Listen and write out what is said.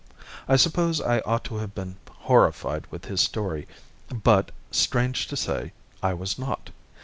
I suppose I ought to have been horrified with his story, but, strange to say, I was not.